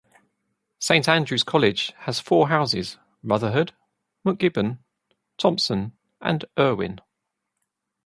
Saint Andrew's College has four houses: Rutherford, MacGibbon, Thompson and Erwin.